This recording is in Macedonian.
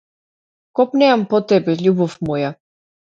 Копнеам по тебе, љубов моја.